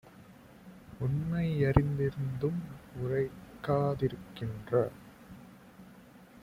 உண்மை யறிந்தும் உரைக்கா திருக்கின்ற